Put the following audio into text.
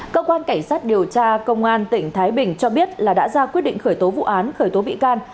cơ quan cảnh sát điều tra công an tỉnh thái bình cho biết là đã ra quyết định khởi tố vụ án khởi tố bị can